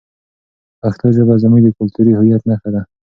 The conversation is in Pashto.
پښتو ژبه زموږ د کلتوري هویت نښه ده.